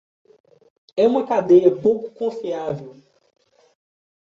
É uma cadeia pouco confiável